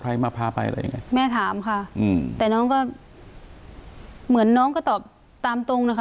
ใครมาพาไปแบบนี้แม่ค่ะแต่น้องก็เหมือนน้องก็ตอบตามตรงนะคะ